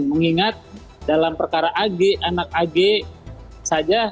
mengingat dalam perkara ag anak ag saja